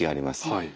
はい。